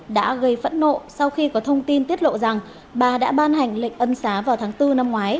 đã gây phẫn nộ sau khi có thông tin tiết lộ rằng bà đã ban hành lệnh ân xá vào tháng bốn năm ngoái